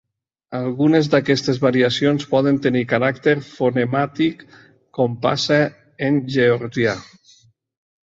Algunes d'aquestes variacions poden tenir caràcter fonemàtic, com passa en georgià.